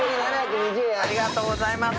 ありがとうございます。